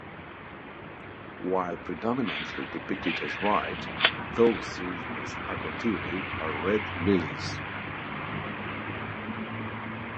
While predominantly depicted as white, those seen at Akrotiri are red lilies.